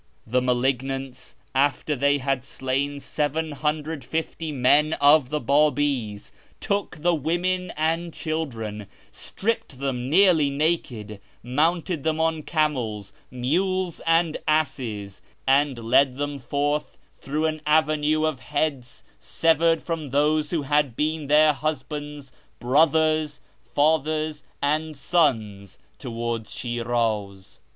The malignants, after they had slain 750 men of the Babis, took the women and children, stripped them nearly naked, mounted them on camels, mules, and asses, and led them forth through an avenue of heads severed from those who had been their husbands, brothers, fathers, and sons, towards Shiraz.